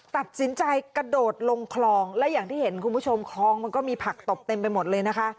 ตัดสินใจกระโดดลงคลองและอย่างที่เห็นคุณผู้ชมคลองมันก็มีผักตบเต็มไปหมดเลยนะคะ